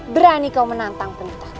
berani kau menantang penitahku